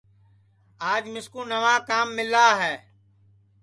آج مِسکُو نئوا کام مِلا ہے